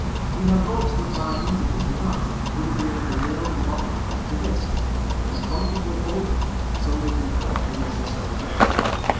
He had hopes that by means of this device he would be able to nail the bottom plank to this, and then caulk it with oakum, so making the boat almost so sound as ever.